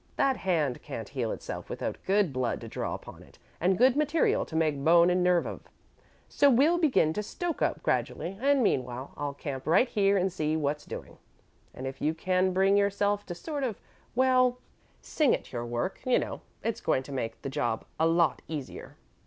"That hand can't heal itself without good blood to draw upon, and good material to make bone and nerve of, so we'll begin to stoke up, gradually, and meanwhile, I'll camp right here and see what's doing. And if you can bring yourself to sort of well, sing at your work, you know, it's going to make the job a lot easier."